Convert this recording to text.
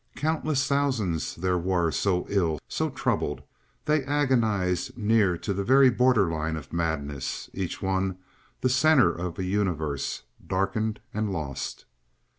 Countless thousands there were so ill, so troubled, they agonize near to the very border line of madness, each one the center of a universe darkened and lost.